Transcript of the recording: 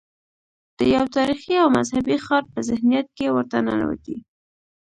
د یو تاریخي او مذهبي ښار په ذهنیت کې ورته ننوتي.